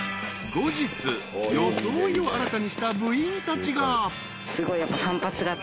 ［装いを新たにした部員たちが］